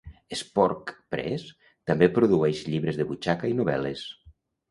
Spork Press també produeix llibres de butxaca i novel·les.